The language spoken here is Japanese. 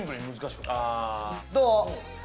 どう？